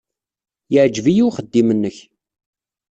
Yeɛjeb-iyi uxeddim-nnek.